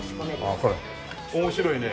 ああこれ面白いね。